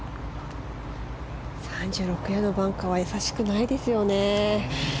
３６ヤード、バンカーはやさしくないですよね。